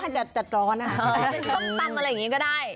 เป็นส้นตำอะไรอย่างนี้ก็ได้